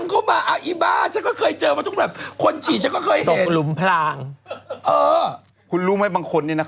คือทำกันเองคนใหญ่ทำกันเองทั้งนั้น